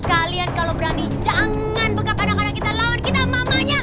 kalian kalau berani jangan begap anak anak kita lawan kita mamanya